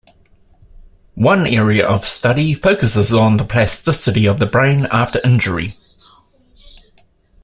One area of study focuses on the plasticity of the brain after injury.